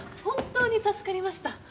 本当に助かりました。